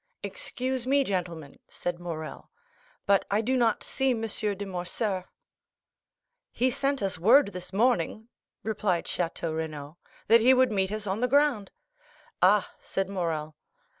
"Excuse me, gentlemen," said Morrel, "but I do not see M. de Morcerf." "He sent us word this morning," replied Château Renaud, "that he would meet us on the ground." "Ah," said Morrel.